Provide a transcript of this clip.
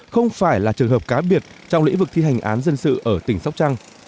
không phải là trường hợp cá biệt trong lĩnh vực thi hành án dân sự ở tỉnh sóc trăng